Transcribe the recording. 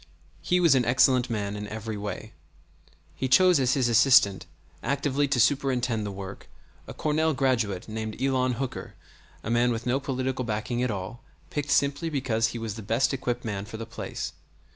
He was an excellent man in every way. He chose as his assistant, actively to superintend the work, a Cornell graduate named Elon Hooker, a man with no political backing at all, picked simply because he was the best equipped man for the place.